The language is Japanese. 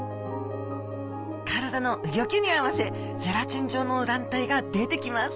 体のうギョきに合わせゼラチン状の卵帯が出てきます